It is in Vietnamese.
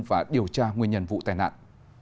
và điều tra nguyên nhân vụ tai nạn